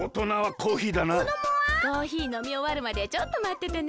コーヒーのみおわるまでちょっとまっててね。